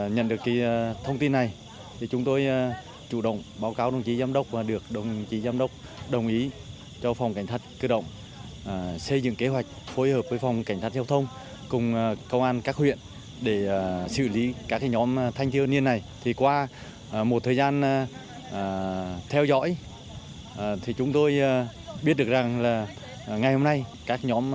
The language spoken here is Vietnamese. sau nhiều ngày theo dõi đến khoảng một mươi sáu h ngày sáu tháng chín phòng cảnh sát cơ động phối hợp với phòng cảnh sát giao thông công an tỉnh đắk lắc